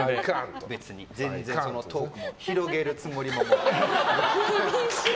別にトークも広げるつもりも。